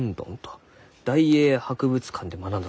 大英博物館で学んだそうじゃ。